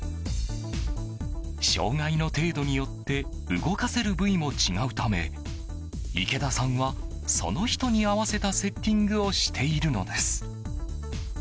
障害の程度によって動かせる部位も違うため池田さんは、その人に合わせたセッティングをしているのです。